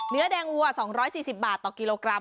เนื้อแดงวัว๒๔๐บาทต่อกิโลกรัม